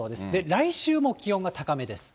来週も気温が高めです。